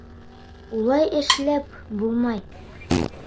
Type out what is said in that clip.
Улай эшләп булмай.